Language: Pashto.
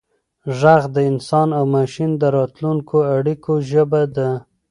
ږغ د انسان او ماشین د راتلونکو اړیکو ژبه ده.